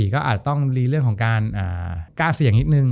ก็อาจต้องรีเรื่องของการกล้าเสี่ยงนิดนึง